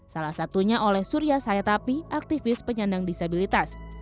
salah satunya oleh surya sayatapi aktivis penyandang disabilitas